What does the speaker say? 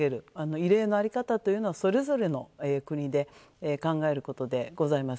慰霊の在り方というのは、それぞれの国で考えることでございます。